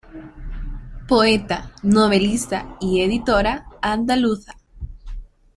Poeta, novelista y editora andaluza.